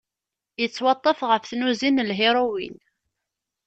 Yettwaṭṭef ɣef tnuzi n lhiruwin.